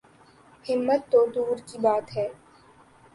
ہمت تو دور کی بات ہے۔